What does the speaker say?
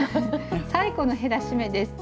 最後の減らし目です。